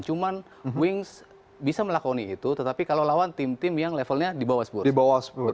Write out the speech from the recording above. cuman wings bisa melakoni itu tetapi kalau lawan tim tim yang levelnya di bawah sepuluh